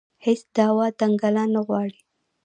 هېڅ دعوا دنګله نه غواړي